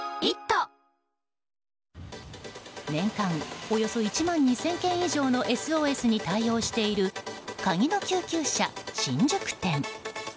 年間およそ１万２０００件以上のＳＯＳに対応しているカギの救急車新宿店。